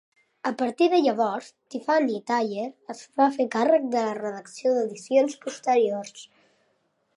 A partir de llavors, Tiffany Thayer es va fer càrrec de la redacció d'edicions posteriors.